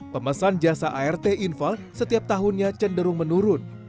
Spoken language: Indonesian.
pemesan jasa art infal setiap tahunnya cenderung menurun